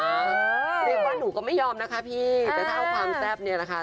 เรียกว่าหนูก็ไม่ยอมนะคะพี่แต่ถ้าเอาความแซ่บเนี่ยนะคะ